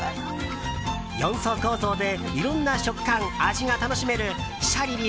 ４層構造でいろんな食感、味が楽しめるＳＨＡＬＩＬＩ